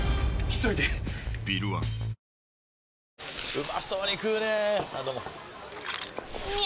うまそうに食うねぇあどうもみゃう！！